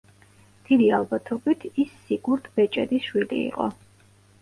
დიდი ალბათობით, ის სიგურდ ბეჭედის შვილი იყო.